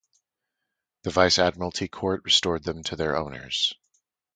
The Vice Admiralty Court restored them to their owners.